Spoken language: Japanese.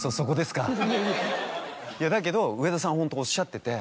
だけど上田さんホントおっしゃってて。